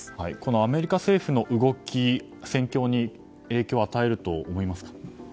アメリカ政府の動き、戦況に影響を与えると思いますか？